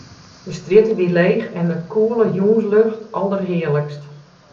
De strjitte wie leech en de koele jûnslucht alderhearlikst.